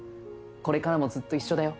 「これからもずっと一緒だよ。